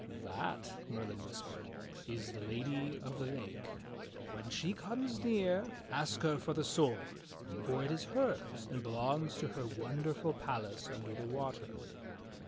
"That," Merlin whispered, "is the Lady of the Lake. When she comes near ask her for the sword, for it is hers and belongs to her wonderful palace under the water."